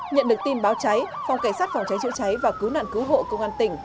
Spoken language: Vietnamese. nhận được tin báo cháy phòng cảnh sát phòng cháy chữa cháy và cứu nạn cứu hộ công an tỉnh